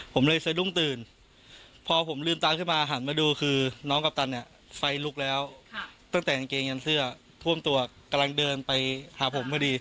ขึ้นมาหันมาดูน้องกัปตันไฟลุกแล้วตั้งแต่กางเกงยันเสื้อท่วมตัวกำลังเดินไปหาผมพอดี